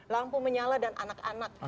lampu menyala dan anak anak